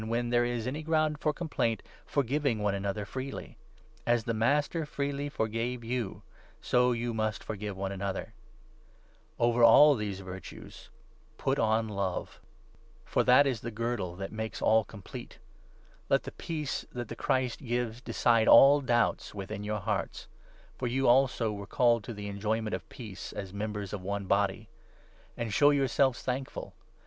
when 13 there is any ground for complaint, forgiving one another freely. As the Master freely forgave you, so you must for give one another. Over all these virtues put on love ; for 14 22 Isa. 39. 13. 1 Pa. no. i. 10 Gen. i. 37. COLOSSIANS, 8—4. 381 that is the girdle which makes all complete. Let the 15 Peace that the Christ gives decide all doubts within your hearts ; for you also were called to the enjoyment of peace as members of one Body. And show yourselves thankful.